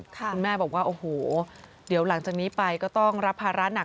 คุณแม่บอกว่าโอ้โหเดี๋ยวหลังจากนี้ไปก็ต้องรับภาระหนัก